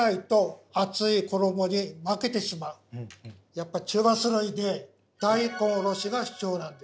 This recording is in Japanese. やっぱり中和する意味で大根おろしが必要なんです。